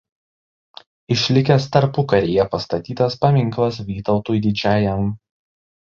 Išlikęs tarpukaryje pastatytas paminklas Vytautui Didžiajam.